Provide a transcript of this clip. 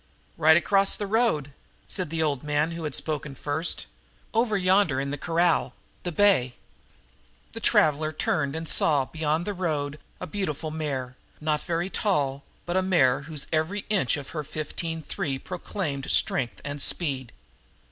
"Right across the road," said the old man who had spoken first. "Over yonder in the corral the bay." The traveler turned and saw, beyond the road, a beautiful mare, not very tall, but a mare whose every inch of her fifteen three proclaimed strength and speed.